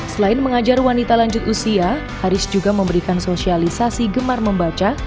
selain mengajar wanita lanjut usia haris juga memberikan sosialisasi gemar membaca